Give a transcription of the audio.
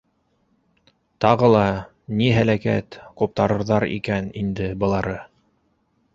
Тағы ла ни һәләкәт ҡуптарырҙар икән инде былары?